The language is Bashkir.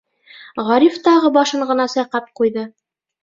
Ғариф тағы башын ғына сайҡап ҡуйҙы.